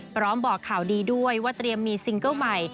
บอกข่าวดีด้วยว่าเตรียมมีซิงเกิ้ลใหม่